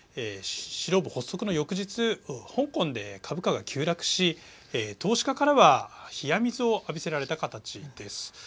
指導部発足の翌日香港で株価が急落し投資家からは冷や水を浴びせられた形です。